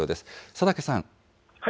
佐竹さん。